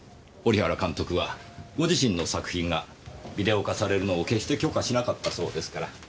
織原監督はご自身の作品がビデオ化されるのを決して許可しなかったそうですから。